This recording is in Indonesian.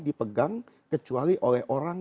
dipegang kecuali oleh orang